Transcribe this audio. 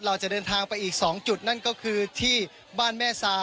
เราจะเดินทางไปอีก๒จุดนั่นก็คือที่บ้านแม่ซา